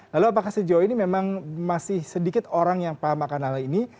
lalu apakah sejauh ini memang masih sedikit orang yang paham akan hal ini